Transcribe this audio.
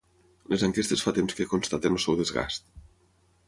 Les enquestes fa temps que constaten el seu desgast.